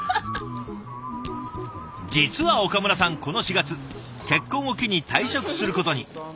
実は岡村さんこの４月結婚を機に退職することに。